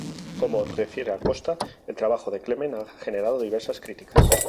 Como refiere Acosta, el trabajo de Clement ha generado diversas críticas.